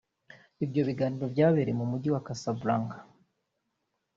Ibyo biganiro byabereye mu Mujyi wa Cassablanca